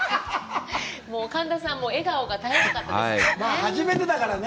もう神田さん、笑顔が絶えなかったですね。